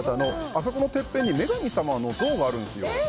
あそこのてっぺんに女神さまの像があるんですよ。